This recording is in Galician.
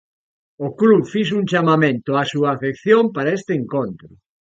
O club fixo un chamamento á súa afección para este encontro.